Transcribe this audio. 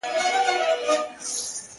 • بې نوبتي کوه مُغانه پر ما ښه لګیږي -